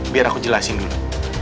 biar aku jelasin dulu